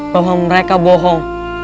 bahwa mereka bohong